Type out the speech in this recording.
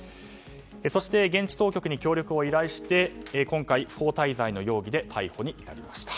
そして、現地当局に協力を依頼して今回、不法滞在の容疑で逮捕に至りました。